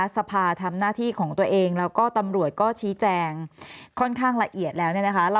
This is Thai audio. สภาทำหน้าที่ของตัวเองแล้วก็ตำรวจก็ชี้แจงค่อนข้างละเอียดแล้วเนี่ยนะคะ